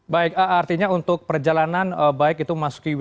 baik artinya untuk perjalanan baik itu masuk ke wilayah